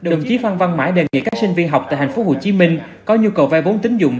đồng chí phan văn mãi đề nghị các sinh viên học tại tp hcm có nhu cầu vay vốn tính dụng